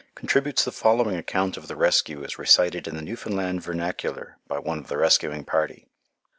contributes the following account of the rescue as recited in the Newfoundland vernacular by one of the rescuing party.